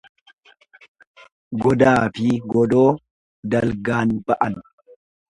Godaafi gadoo dalgaan ba'an.